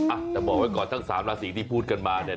อ่ะแต่บอกไว้ก่อนทั้ง๓ราศีที่พูดกันมาเนี่ย